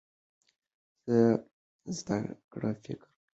زده کړه په فکر کې ده.